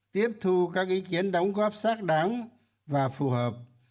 tiếp thu các ý kiến đóng góp xác đáng và phù hợp